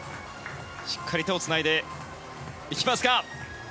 しっかり手をつないで行きますか！